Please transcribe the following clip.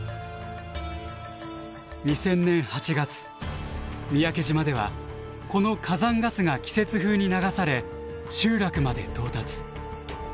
２０００年８月三宅島ではこの火山ガスが季節風に流され集落まで到達。